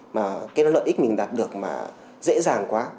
mà cái lợi ích mình đạt được mà dễ dàng quá